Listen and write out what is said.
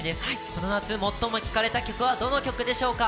この夏、最も聴かれた曲はどの曲でしょうか？